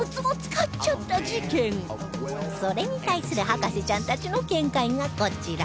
それに対する博士ちゃんたちの見解がこちら